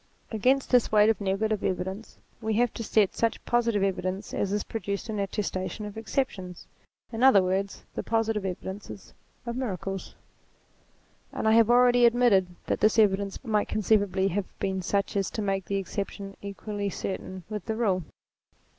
Against this weight of negative evidence we have to set such positive evidence as is produced in attes tation of exceptions ; in other words, the positive evidences of miracles. And I have already admitted that this evidence might conceivably have been such as to make the exception equally certain with the rule.